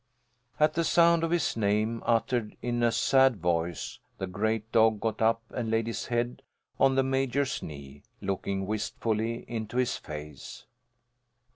At the sound of his name, uttered in a sad voice, the great dog got up and laid his head on the Major's knee, looking wistfully into his face.